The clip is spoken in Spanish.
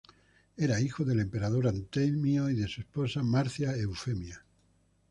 Era hijo del emperador Antemio y de su esposa Marcia Eufemia.